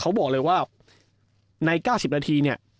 เขาบอกเลยว่าใน๙๐นาทีเนี่ย